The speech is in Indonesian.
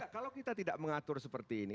kalau kita tidak mengatur seperti ini